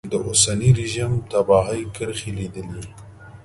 د اوسني رژیم تباهي کرښې لیدلې.